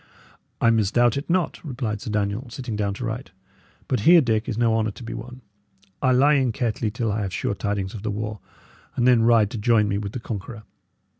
"I misdoubt it not," replied Sir Daniel, sitting down to write. "But here, Dick, is no honour to be won. I lie in Kettley till I have sure tidings of the war, and then ride to join me with the conqueror.